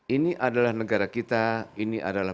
ini adalah negara kita ini adalah